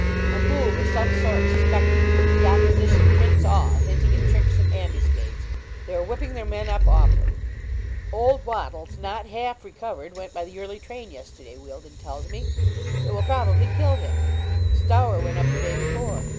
'A move of some sort suspected the opposition prints all hinting at tricks and ambuscades. They are whipping their men up awfully. Old Wattles, not half recovered, went by the early train yesterday, Wealdon tells me. It will probably kill him. Stower went up the day before.